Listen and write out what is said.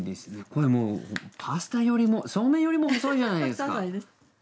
これパスタよりもそうめんよりも細いじゃないですか！